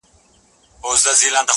شپه او ورځ په یوه بل پسي لګیا وي -